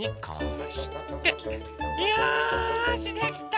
よしできた！